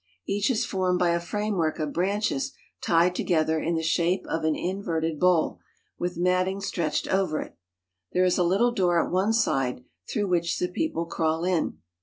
Each is formed by a framework of branches tied to gether in the shape of an inverted bowl, with matting stretched over it. There is a little door at one side through which the people crawl in.